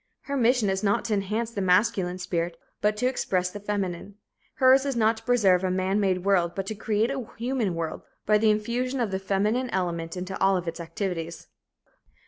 Her mission is not to enhance the masculine spirit, but to express the feminine; hers is not to preserve a man made world, but to create a human world by the infusion of the feminine element into all of its activities.